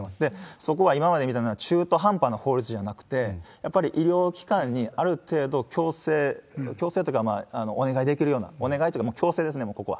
そこは今までみたいな中途半端な法律じゃなくて、やっぱり医療機関にある程度強制、強制というかお願いできるような、お願いというか、強制ですね、ここは。